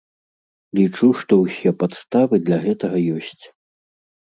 Лічу, што ўсе падставы для гэтага ёсць.